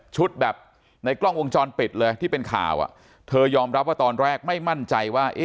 แบบในกล้องวงจรปิดเลยที่เป็นข่าวอ่ะเธอยอมรับว่าตอนแรกไม่มั่นใจว่า